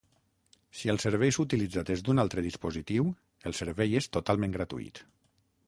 Si el servei s'utilitza des d'un altre dispositiu, el servei és totalment gratuït.